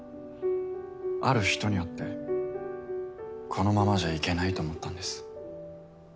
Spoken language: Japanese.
ある人に会ってこのままじゃいけないと思ったんです。